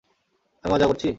আমি মজা করছি?